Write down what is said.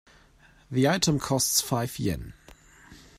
The item costs five Yen.